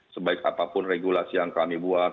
sebaik apapun regulasi yang kami buat